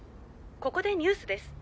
ここでニュースです。